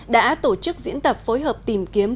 đã tổ chức diễn tập phối hợp tìm kiếm